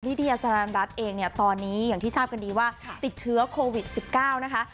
เดียสารันรัฐเองเนี่ยตอนนี้อย่างที่ทราบกันดีว่าติดเชื้อโควิด๑๙นะคะ